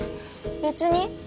別に。